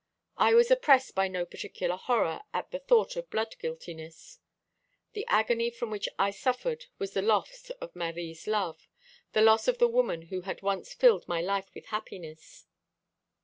I was oppressed by no particular horror at the thought of blood guiltiness. The agony from which I suffered was the loss of Marie's love, the loss of the woman who had once filled my life with happiness.